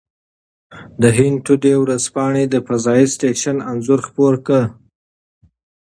د هند ټوډې ورځپاڼه د فضايي سټېشن انځور خپور کړی.